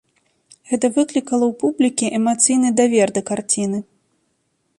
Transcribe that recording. Гэта выклікала ў публікі эмацыйны давер да карціны.